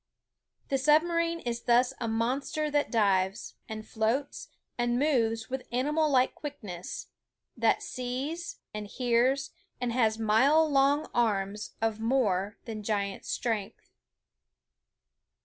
The submarine is thus a monster that dives, and floats, and moves with animal Uke quickness; that, sees, and hears, and has mile long arms of more than giant strength.